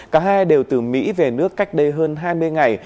cả hai đều từ mỹ về nước cách đây hơn hai mươi ngày